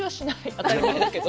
当たり前だけど。